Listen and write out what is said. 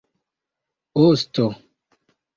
osto